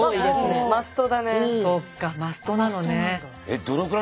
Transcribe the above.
そっかマストなのね。